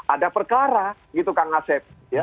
ada perkara gitu kang asep